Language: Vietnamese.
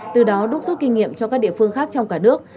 từ đó đúc rút kinh nghiệm cho các địa phương khác trong cả nước